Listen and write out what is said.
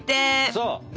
そう！